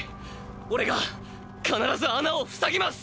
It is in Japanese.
オレが必ず穴を塞ぎます！